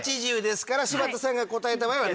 ８０ですから柴田さんが答えた場合は７９。